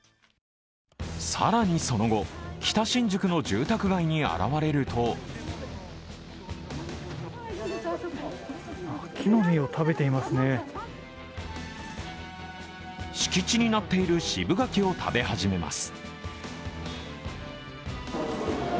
更にその後、北新宿の住宅街に現れると敷地になっている渋柿を食べ始めます。